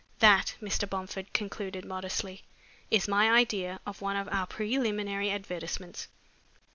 That," Mr. Bomford concluded, modestly, "is my idea of one of our preliminary advertisements."